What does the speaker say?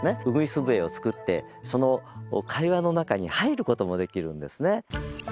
ウグイス笛を作ってその会話の中に入ることもできるんですね